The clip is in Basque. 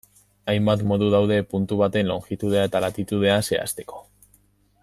Hainbat modu daude puntu baten longitudea eta latitudea zehazteko.